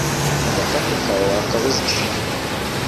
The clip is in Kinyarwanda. agakapu kawe wakabuze se